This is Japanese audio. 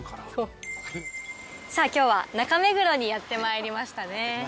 きょうは中目黒にやってまいりましたね。